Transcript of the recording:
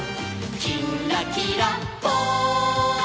「きんらきらぽん」